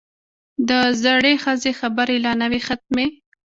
د زړې ښځې خبرې لا نه وې ختمې.